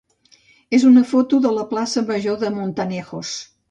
és una foto de la plaça major de Montanejos.